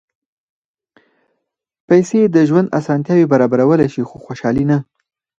پېسې د ژوند اسانتیاوې برابرولی شي، خو خوشالي نه.